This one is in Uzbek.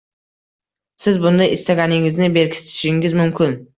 siz bunda istaganingizni berkitishingiz mumkin.